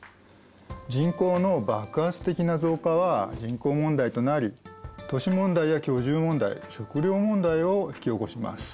人口の爆発的な増加は人口問題となり都市問題や居住問題食料問題を引き起こします。